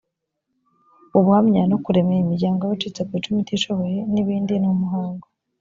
ubuhamya no kuremera imiryango y abacitse ku icumu itishoboye n ibindi ni umuhango